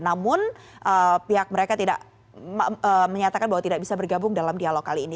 namun pihak mereka tidak menyatakan bahwa tidak bisa bergabung dalam dialog kali ini